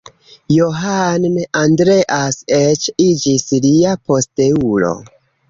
Johann Andreas eĉ iĝis lia posteulo.